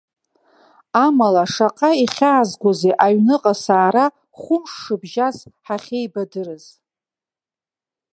Амала, шаҟа ихьаазгозеи аҩныҟа саара хәымш шыбжьаз ҳахьеибадырыз.